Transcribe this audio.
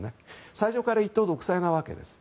最初から一党独裁なわけです。